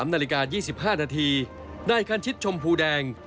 นาฬิกา๒๕นาทีนายคันชิดชมพูแดง